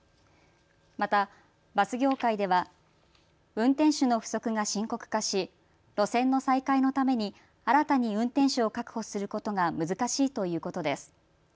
またバス業界では運転手の不足が深刻化し路線の再開のために新たに運転手を確保することが難しいということです。